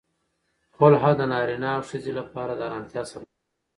خلع د نارینه او ښځې لپاره د آرامتیا سبب دی.